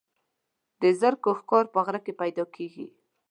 د زرکو ښکار په غره کې پیدا کیږي.